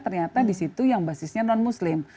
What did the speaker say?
ternyata di situ yang basisnya non muslim